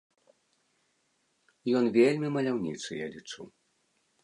Ён вельмі маляўнічы, я лічу.